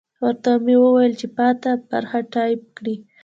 ورته مې وویل چې پاته برخه ټایپ کړي.